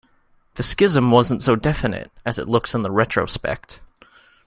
The schism wasn't so definite, as it looks in the retrospect.